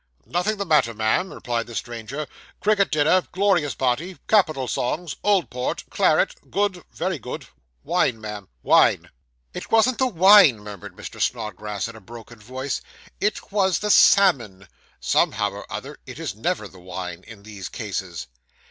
'Nothing the matter, ma'am,' replied the stranger. 'Cricket dinner glorious party capital songs old port claret good very good wine, ma'am wine.' 'It wasn't the wine,' murmured Mr. Snodgrass, in a broken voice. 'It was the salmon.' (Somehow or other, it never is the wine, in these cases.)